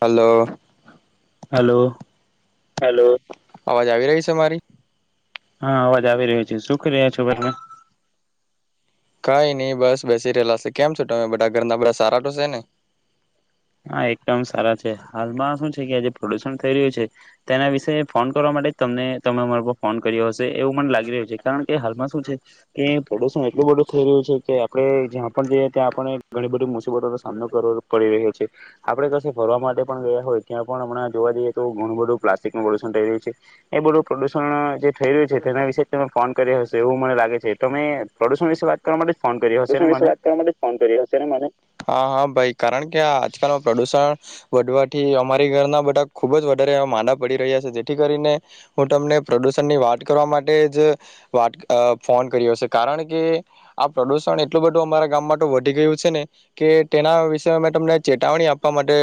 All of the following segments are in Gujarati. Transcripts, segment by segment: હલો. હલો. હલો અવાજ આવી રહી છે મારી? હા અવાજ આવી રહી છે. શું કરી રહ્યા છો ભાઈબંધ? કાઈ ની બસ બેસી રહેલા સે. કેમ છો તમે બધા ઘરના બધા સારા તો સે ને? હા એકદમ સારા છે. હાલમાં હું છે કે આ જે પ્રદુષણ થઈ રહ્યું છે તેના વિશે ફોન કરવા માટે જ તમને તમે મારા પર ફોન કર્યો હશે એવું મને લાગી રહ્યું છે કારણ કે હાલમાં શું છે કે પ્રદુષણ એટલું બધું થઈ રહ્યું છે કે આપણે જ્યાં પણ જઈએ ત્યાં પણ ઘણી બધી મુસીબતોનો સામનો કરવો પડી રહ્યો છે. આપડે કસે ફરવા માટે પણ ગયા હોય ત્યાં પણ હમણાં જોવા જઈએ તો ઘણું બધું પ્લાસ્ટિક નું પ્રદુષણ થઈ રહ્યું છે. એ બધું પ્રદુષણ જે થઈ રહ્યું છે તેના વિશે તમે ફોન કર્યા હશે એવું મને લાગે છે. તમે પ્રદુષણ વિશે વાત કરવા માટે જ ફોન કર્યો હ એના વિશે જ વાત કરવા માટે જ ફોન કર્યો હશે ને મને, હા, હા ભાઈ. કારણ કે આ આજકાલમાં પ્રદુષણ વધવાથી અમારી ઘરના બધા ખૂબ જ વધારે માંદા પડી રહ્યા છે જેથી કરીને હું તમને પ્રદુષણની વાત કરવા માટે જ વાત અહ ફોન કર્યો સે કારણ કે આ પ્રદુષણ એ એટલું બધું અમારા ગામમાં તો વધી ગયું છે ને કે તેના વિશે અમે તમને ચેતવણી આપવા માટે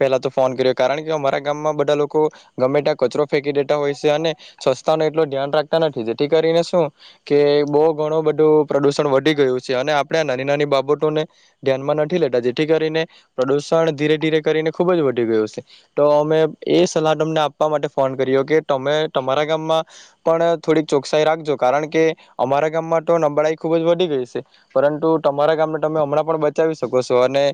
પેલા તો ફોન કર્યો કારણ કે અમારા ગામમાં બધા લોકો ગમે ત્યા કચરો ફેંકી દેતા હોય છે, અને સ્વચ્છતા નો એટલો ધ્યાન રાખતા નથી જેથી કરીને શું કે બોવ ઘણું બધું પ્રદુષણ વધી ગયું છે અને આપણે આ નાની-નાની બાબતોને ધ્યાનમાં નથી લેતા જેથી કરીને પ્રદુષણ ધીરે ધીરે કરીને ખુબ જ વધી ગયું છે. તો અમે એ સલાહ તમને આપવા માટે ફોન કર્યો કે તમે તમારા ગામમાં પણ થોડીક ચોકસાઈ રાખજો કારણ કે અમારા ગામમાં તો નબળાઈ ખૂબ જ વધી ગઈ છે. પરંતુ તમારા ગામને તમે હમણાં પણ બચાવી શકો છો અને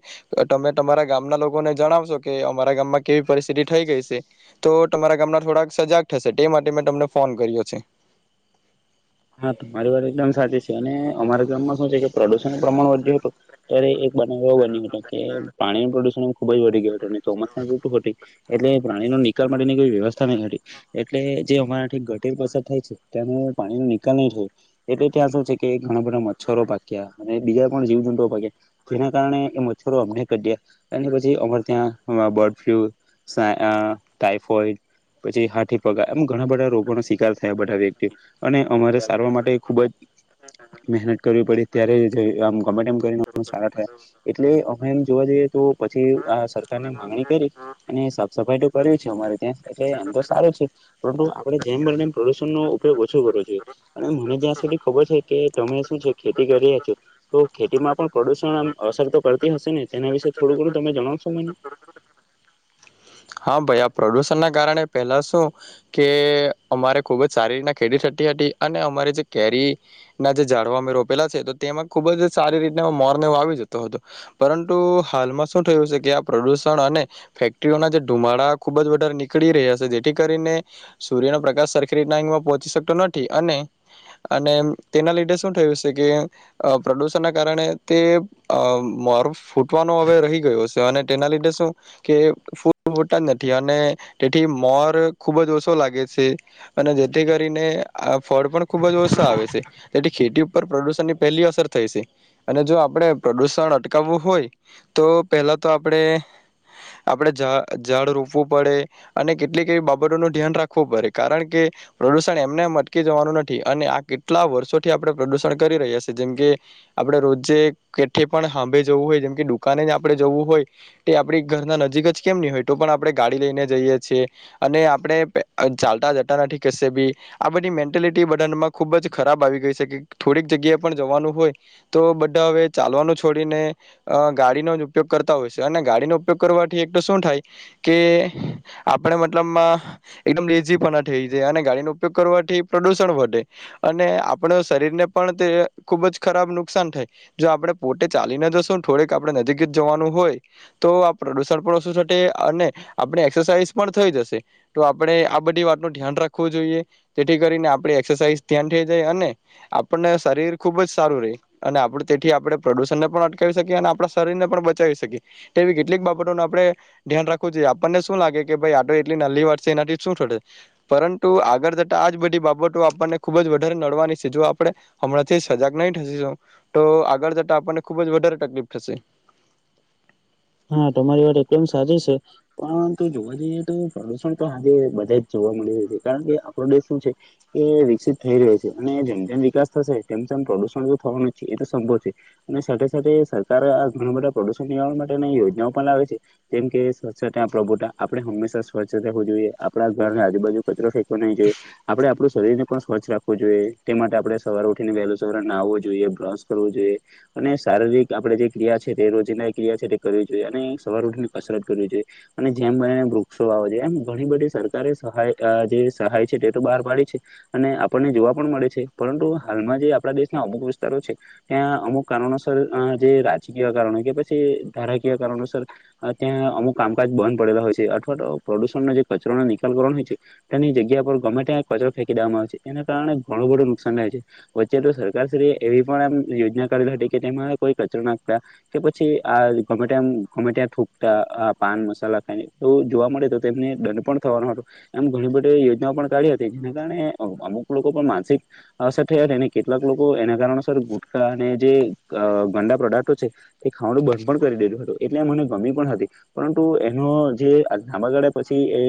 તમે તમારા ગામના લોકોને જણાવશો કે અમારા ગામમાં કેવી પરિસ્થિતિ થઈ ગઈ છે, તો તમારા ગામના થોડાક સજાગ થશે તે માટે મેં તમને ફોન કર્યો છે. હા તમારી વાત એકદમ સાચી છે. અને અમારા ગામમાં શું છે કે પ્રદુ પ્રમાણ વધ્યું તું ત્યારે એક બનાવ એવો બન્યો હતો કે પાણી નું પ્રદુષણ ખુબ જ વધી ગયું હતું અને ચોમાસાની ઋટુ હતી. એટલે પાણીનો નિકાલ માટેની કોઈ વ્યવસ્થા નઈ હતી. એટલે જે અમારાથી ગટેર પસાર થાય છે, ત્યાંનું પાણી નિ નકામી જ હોય. એટલે ત્યાં શું છે કે ઘણા બધા મચ્છરો પાક્યા, અને બીજા કોણ જીવ જંતુ અપાય કે. જેના કારણે એ મચ્છરો અમને કઢ્યા. એની પછી અમારે ત્યાં. હમણાં બર્ડ ફ્લુ ટાઈ અ ટાઈફોઈડ, પછી હાથી પગ, એમ ઘણા બધા રોગોનો શિકાર થયા બધા વ્યક્તિ. અને અમારે સારવાર માટે ખુબ જ મહેનત કરવી પડી. ત્યારે જો આમ ગમે એમ કરીને સારા થયા. એટલે અમે એમ જોવા જઈએ તો પછી આ સરકારને માગણી કરી અને સાફ સફાઈ તો કરવી છે. અમારે ત્યાં એટલે આમ તો સારો છે. પરંતુ આપણે જેમ બને એમ પ્રદુષણનો ઉપયોગ ઓછો કરવો જોઈએ. અને મને જ્યાં સુધી ખબર છે કે. તમે શું છે ખેતી કરી રહ્યા છો. તો ખેતીમાં પણ પ્રદુષણ આમ અસર તો કરતી હશે ને. તેના વિશે થોડું ઘણું તમે જણાવશો મને? હા ભાઈ, આ પ્રદુષણના કારણે પહેલા શું કે અમારે ખૂબ જ સારી રીતના ખેતી થતી હતી. અને અમારે જે કેરી ના જે જાડવા અમે રોપેલા છે. તો તેમાં ખુબ જ સારી રીતના મોરને એવુ આવી જતો હતો. પરંતુ હાલમાં શું થયું છે કે આ પ્રદુષણ અને ફેક્ટરીઓના જે ધુમાડા ખૂબ જ વધારે નીકળી રહ્યા છે જેથી કરીને સૂર્યના પ્રકાશ સરખેરીતના [unintelligible] પહોંચી શકતો નથી. અને, અને તેના લીધે શું થયું છે કે. પ્રદૂષણના કારણે તે અ મોરુ ફૂટવાનો હવે રહી ગયો છે. અને તેના લીધે શું કે ફુ ફુટતા જ નથી અને તેથી મોર ખૂબ જ ઓછો લાગે છે. અને જેથી કરીને આ ફળ પણ ખૂબ જ ઓછા આવે છે. તેથી ખેતી ઉપર પ્રદુષણની પહેલી અસર થાય છે. અને જો આપણે પ્રદુષણ અટકાવવું હોય તો પહેલા તો આપડે, આપડે જ ઝાડ રોપવું પડે. અને કેટલીક એવી બાબતોનું ધ્યાન રાખવું પડે. કારણ કે પ્રદુષણ એમને એમ અટકી જવાનું નથી. અને આ કેટલા વર્ષોથી આપણે પ્રદુષણ કરી રહ્યા છે. જેમ કે આપણે રોજે કેઠે પણ સાંભે જવું હોય, જેમ કે દુકાને જ આપણે જવું હોય, તે આપડી ઘરના નજીક જ કેમની હોય તો પણ આપડે ગાડી લઈને જઈએ છીએ. અને આપડે ચાલતા જતા નથી કશે બી. આ બધી મેન્ટેલિટી બધામાં ખૂબ જ ખરાબ આવી ગઈ છે કે. થોડીક જગ્યાએ પણ જવાનું હોય તો બધા હવે ચાલવાનું છોડીને ગાડીનો જ ઉપયોગ કરતા હોય છે. અને ગાડીનો ઉપયોગ કરવાથી એક તો શું થાય કે આપણે મતલબમાં એકદમ લેઝી પણ થઈ જાય. અને ગાડીનો ઉપયોગ કરવાથી પ્રદુષણ વધે. અને આપડા શરીરને પણ તે ખુબ જ ખરાબ નુકસાન થાય. જો આપણે પોતે ચાલીને જશું થોડીક આપણે નજીક જ જવાનું હોય તો. આ પ્રદુષણ પણ ઓછું થ તે અને આપડે એક્સરસાઇઝ પણ થઈ જશે. તો આપડે આ બધી વાતનું ધ્યાન રાખવું જોઈએ. તેથી કરીને આપણે એક્સરસાઇઝ ધ્યાન થઈ જાય. અને આપણને શરીર ખુબ જ સારું રઇ અને આપ તેથી આપણે પ્રદુષણ ને પણ અટકાવી શકીએ. અને આપણા શરીર ને પણ બચાવી શકીએ. તે એવી કેટલીક બાબતોને આપણે ધ્યાન રાખવું જોઈએ. આપણને શું લાગે કે ભાઈ આટો એટલી નાલલી વાત છે. એનાથી શું થશે? પરંતુ આગળ જતા આજ બધી બાબતો આપણને ખુબ જ વધારે નડવાની છે. જો આપણે હમણાંથી સજાગ નહી થશો તો આગળ જતા આપણને ખુબ જ વધારે તકલીફ થશે. હા, તમારી વાત એકદમ સાચી છે. પરંતુ જોવા જઈએ તો પ્રદુષણ તો આજે બધા જ જોવા મળી રહ્યા છે. કારણ કે આપણો દેશ શું છે એ વિકસિત થઈ રહ્યો છે. અને જેમ, જેમ વિકાસ થશે તેમ તેમ પ્રદુષણ થવાનું છે. એ તો સંભવ છે. અને સાથે, સાથે સરકારે આ ઘણા બધા પ્રદુષણ નિળવા માટે યોજના પણ બનાવેલ છે. જેમ કે સ્વચ્છતા પ્રભુતા આપડે હંમેશા સ્વચ્છ રહેવું જોઈએ આપણા ઘર આજુબાજુ કચરો ફેંકવો નહી જોઈએ. આપડે આપ‌ળુ શરીરને પણ સ્વચ્છ રાખવું જોઈએ. તે માટે આપણે સવાર ઉઠીને વહેલું સવાર નાહવું જોઈએ, બ્રશ કરવુ જોઈએ, અને શારીરિક આપે જે ક્રિયા છે તે રોજ ના ક્રિયા છે કરવી જોઈએ અને સવારે ઉઠીની કસરત કરવી જોઈએ અને જેમ બને વૃક્ષો વાવા જોઈએ એમ ઘણી બધી સરકારે સહાય, જે સહાય છે તે તો બહાર પાડી છે. અને આપણને જોવા પણ મળે છે. પરંતુ હાલમાં જે આપણા દેશના અમુક વિસ્તારો છે ત્યાં અમુક કારણોસર જે રાજકીય કારણો કે પછી [unintelligible] કરણ નુસાર ત્યાં અમુક કામકાજ બંધ પડેલા હોય છે. અથવા તો પ્રદુષણનો જે કચરાનો નિકાલ કરવાનો હોય છે તેની જગ્યા પર ગમે તેમ કચરો ફેંકી દેવામાં આવે છે. એના કારણે ઘણું બધું નુકસાન થાય છે. વચ્ચે તો સરકારશ્રી એવી પણ આમ યોજના કરેલી હતી કે તેમાં કોઈ કચરો નાખ્તા કે પછી આ ગમેતેમ, ગમેટ્યા થૂકતા. આ પાન મસાલા ખાયને એ જોવા મળે તો તેમને દંડ પણ થવાનો હતો. એમ ઘણી બધી યોજના પણ કાઢી હતી. જેના કારણે અમુક લોકો પણ માનસિક અસર થઈ હતી. અને કેટલાક લોકો એના કારણોસર ગુટકા અને જે ગંંદા પ્રોડક્ટો છે. તે ખાવાનું બ પણ કરી દીધું હતું એટલે મને ગમી પણ હતી પરંતુ એનો જે લાંબા ગાળે પછી એ,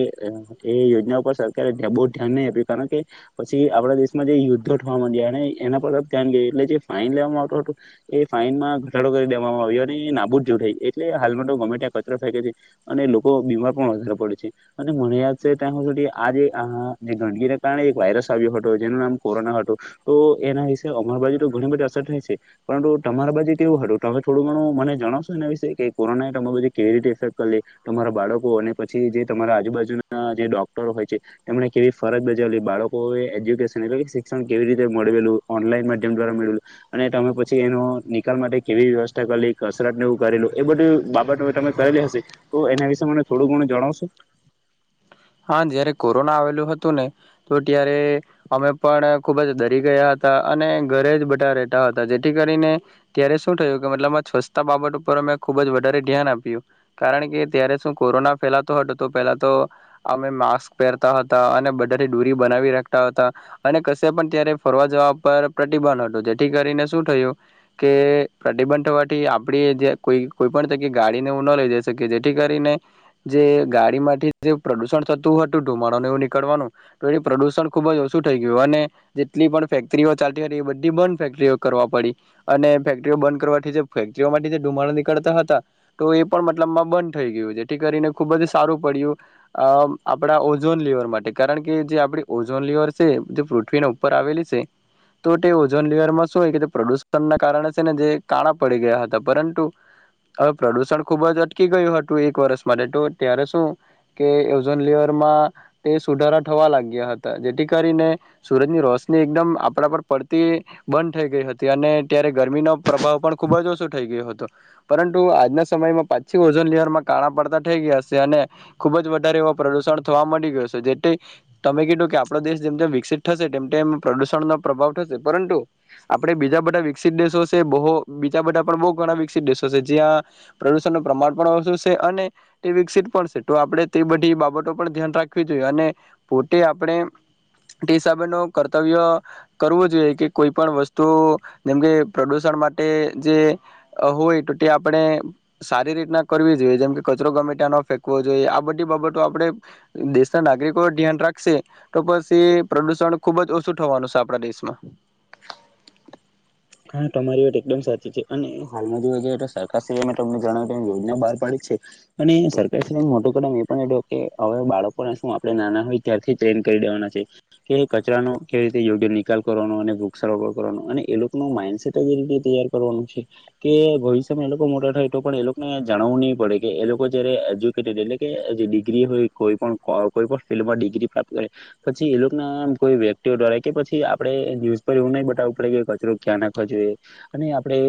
એ યોજના ઉપર સરકારે બહુ ધ્યાન નહી આપ્યું કારણ કે પછી આપડા દેશમાં જે યુદ્ધો થવા માંડ્યા અને એના પર ધ્યાન ગયું એટલે જે ફાઈન લેવામાં આવત હતું એ ફાઈન માં ઘટાડો કરી દેવામાં આવ્યો. અને બુ જો થાય એટલે હાલમાં તો ગમે ત્યાં કચરો ફેકે છે. અને લોકો બીમાર પણ વધારે પડે છે અને મને યાદ છે ત્યાં આ, જે આ ગંદગીના કારણે એક વાયરસ આવ્યો હતો જેનું નામ કોરોના હતું તો એના વિશે અમાર બાજુ તો ઘણી બધી અસર થાય છે. પરંતુ તમારા બાજુ કેવું હતું તમે થોડું ઘણું મને જણોસો? કોરોના વિશે કઈ કહો ને તમારી કેવી ઇફેક્ટ કરી? તમારા બાળકો અને પછી જે તમારા આજુબાજુના જે ડોક્ટરો હોય છે, તેમને કેવી ફરજ બજાવેલી? બાળકો એજ્યુકેશન, એટલે શિક્ષણ કેવી રીતે મેળવેલું? ઓનલાઈન માધ્યમ દ્વારા મેળવેલું અને તમે પછી એનો નિકાલ માટે કેવી વ્યવસ્થા કરેલી? કસરત ને એવું કરેલું એ બધી બાબતો તમે કરેલી હશે, તો એના વિશે મને થોડું ઘણું જણાવશો? હા, જયારે કોરોના આવેલું હતું ને, તો ત્યારે અમે પણ ખુબ જ ડરી ગયા હતા અને ઘરે જ બધા રહેતા હતા, જેથી કરીને ત્યારે શું થયું કે મતલબ સ્વચ્છતા બાબત ઉપર અમે ખૂબ જ વધારે ધ્યાન આપ્યું, કારણ કે ત્યારે શું કોરોના ફેલાતો હતો તો પેલા તો અમે માસ્ક પહેરતા હતા અને બધાથી દૂરી બનાવી રાખતા હતા અને કશે પણ ત્યારે ફરવા જવા પર પ્રતિબંધ હતુ, જેથી કરીને શું થયું કે પ્રતિબંધ થવાથી આપડી જે કોઈ, કોઈ પણ જગ્યાએ ગાડીનેું એવું ન લઈ જઈ શકીએ, જેથી કરીને જે ગાડીમાંથી જે પ્રદુષણ થતું હતું. ધુમાડોને એનું નીકળવાનું તો એ પ્રદુષણ ખુબજ ઓછું થઈ ગયું અને જેટલી પણ ફેક્ટરીઓ ચાલતી હતી એ બધી, બંધ ફેક્ટરીઓ કરવા પડી અને ફેક્ટરીઓ બંધ કરવાથી, જે ફેક્ટરીઓમાંથી જે ધુમાડો નીકળતા હતા તો એ પણ મતલબમાં બંધ થઈ ગયું, જેથી કરીને ખુબ જ સારું પડ્યું અહ આપણા ઓઝોન લેયર માટે, કારણકે જે આપણી ઓઝોન લેયર છે, જે પૃથ્વીના ઉપર આવેલી છે, તો તે ઓઝોન લેયરમાં શું હોય કે, પ્રદુષણના કારણે છે ને જે કાણા પડી ગયા હતા, પરંતુ હવે પ્રદુષણ ખુબજ અટકી ગયું હતું એક વર્ષ માટે તો ત્યારે શું કે ઓઝોન લેયર માં તે સુધારા થવા લાગ્યા હતા. જેથી કરીને સુરજની રોશની એકદમ આપડા પર પડતી બંધ થઈ ગઈ હતી અને ત્યારે ગરમીનો પ્રભાવ પણ ખુબ જ ઓછો થઈ ગયો હતો. પરંતુ આજના સમયમાં પાછી ઓઝોન લેયરમાં કાણા પડતા થઈ ગયા છે અને ખૂબજ વધારે એવો પ્રદૂષણ થવા માંડી ગયો છે. જેથી તમે કીધું કે આપડો દેશ જેમ, જેમ વિકસિત થશે તેમ તેમ પ્રદુષણનો પ્રભાવ થશે, પરંતુ આપણે બીજા બધા વિકસિત દેશો છે, બહુ બીજા બધા પણ બહુ ઘણા વિકસિત દેશો છે, જ્યાં પ્રદુષણનું પ્રમાણ પણ ઓછુ છે અને તે વિકસિત પણ છે. તો આપણે તે બધી બાબતો પણ ધ્યાન રાખવી જોઈએ અને પોતે આપણે તે હિસાબે ન કર્તવ્ય કરવો જોઈએ, કે કોઈ પણ વસ્તુ જેમકે પ્રદુષણ માટે જે હોય, તો તે આપડે સારી રીતના કરવી જોઈએ, જેમકે કચરો ગમેતા ફેંકવો જોઈએ. આ બધી બાબતો આપણે દેશના નાગરિકો ધ્યાન રાખશે, તો પછી એ પ્રદુષણ ખુબ જ ઓછું થવાનું છે, આપડા દેશમાં. હા, તમારી વાત એકદમ સાચી છે અને હાલમાં જોવા જઈએ તો સરકારશ્રી મે તમને જણાવી તેમ યોજના બહાર પાડી છે અને સરકાર શ્રી મોટું કદમ એ પણ એ કે હવે બાળકોને શું આપણે નાના હોય ત્યારથી ટ્રેન કરી દેવાના છે, કે કચરાનો કેવી રીતે યોગ્ય નિકાલ કરવાનો અને વૃક્ષ સારોપર કરવાનો, અને એ લોકો નું માન્ડસેટ જે રીતે તૈયાર કરવાનું છે, કે ભવિષ્યમાં એ લોકો મોટા થાય, તો પણ એ લોકોને જાણાવવું નહી પડે કે એ લોકો જયારે એજ્યુકેટેડ એટલે કે જે ડિગ્રી હોય કોઈ પણ કોઈ પણ ફિલ્ડમાં ડિગ્રી પ્રાપ્ત કરે પછી એ લોકો ના કોઈ વ્યક્તિઓ દ્વારા કે પછી આપડે ન્યુઝ પર એવું નહી બતાવવું પડે કે કચરો ક્યાં નાખવા જોઈએ અને આપણે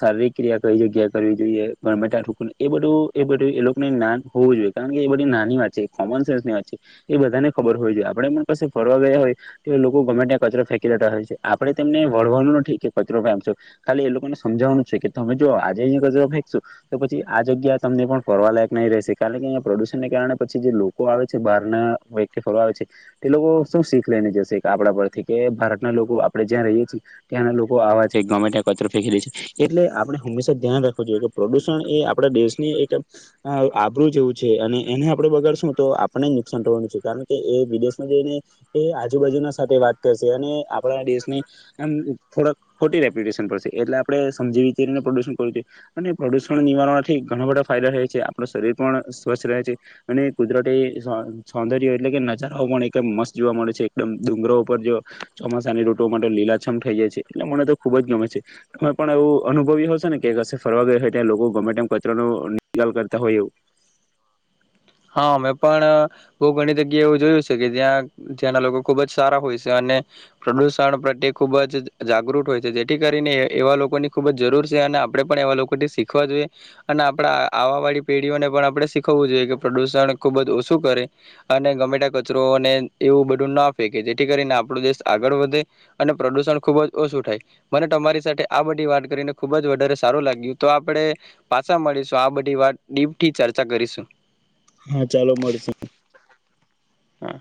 શારીરિક ક્રિયા કઈ જગ્યા કરવી જોઈએ. ગમે ત્યાં થૂંકવું, એ બધું એ બધું એ લોકોને જ્ઞાન હોવું જોઈએ, કારણ કે એ બધી નાની વાત છે, કોમન સેન્સ ની વાત છે, એ બધાને ખબર હોવી જોઈએ. આપડે પણ કસે ફરવા ગયા હોય તો એ લોકો ગમેટ્યા કચરો ફેંકી દેતા હોય છે. આપણે તેમને વળવાનું નથી કચરો [unintelligible] ખાલી એ લોકોને સમજાવવાનું છે કે. તમે જો આજે અહી કચરો ફેંકશો તો પછી આ જગ્યા તમને પણ ફરવા લાયક નહી રહેશે. કારણ કે અહીંયા પ્રદુષણને કારણે પછી જે લોકો આવે છે. બહારના વ્યક્તિ ફરવા આવે છે. એ લોકો શું શીખ લઈને જશે આપડા પરથી. કે ભારતના લોકો આપણે જ્યાં રહીએ છીએ ત્યાંના લોકો આવા છે. ગમે ત્યાં કચર ફેંકી દે છે. એટલે આપણે હંમેશા ધ્યાન રાખવું જોઈએ કે. પ્રદુષણ એ આપણા દેશને એક આબરૂું જેવું છે. અને એને આપણે બગાડશું તો આપને જ નુકસાન કરવાવાનું છે. કારણ કે એ વિદેશમાં જઈને એ આજુ, બાજુના સાથે વાત કરશે અને આપણા દેશની આમ થોડાક ખોટી રેપ્યુટેશન પર છે. એટલે આપણેે સમજી વિચારીને પ્રદૂષણ કરવું જોઈએ. અને પ્રદૂષણ નિવારવાથી ઘણા બધા ફાયદા થાય છે. આપડું શરીર પણ સ્વસ્થ રહે છે. અને કુદરતી સૌંદર્ય એટલે કે નજારાઓ પણ એકદમ મસ્ત જોવા મળે છે. એકદમ ડુંગરો ઉપર જો ચોમાસાની ઋતુ માતો લીલાછમ થઈ જાય છે. એટલે મને તો ખુબ જ ગમે છે તમે પણ એવું અનુભવ્યું હશે ને કે ફરવા ગયા હોય ત્યા લોકો ગમે તેમ કચરા નુ નિકાલ કરતા હોય એવું. હા મેં પણ બહુ ઘણી જગ્યા એવું જોયું છે. કે જ્યાં, જ્યાંના લોકો ખુબ જ સારા હોય છે અને પ્રદુષણ પ્રત્યે ખુબ જ જાગૃત હોય છે. જેથી કરીને એવા લોકોની ખુબ જ જરૂર છે. અને આપણે પણ એવા લોકો શીખવા જોઈએ અને આપડા આવા વાળી પેઢીઓને પણ આપણે શીખવવું જોઈએ. કે પ્રદૂષણ ખૂબ જ ઓછું કરે. અને ગમે ત્યાં કચરોને એવું બધું ના ફેકે કે જેથી કરીને આપણો દેશ આગળ વધે. અને પ્રદુષણ ખુબ જ ઓછું થાય. મને તમારી સાથે આ બધી વાત કરીને ખુબ જ વધારે સારું લાગ્યું. તો આપણે પાછા મળીશું આ બધી વાત ડીપથી ચર્ચા કરીશું. હા ચાલો મળશું. હા.